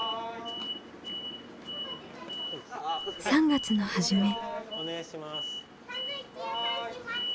３月の初め。